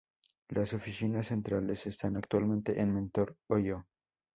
Las oficinas centrales están actualmente en Mentor, Ohio.